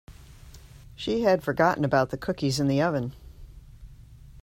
She had forgotten about the cookies in the oven.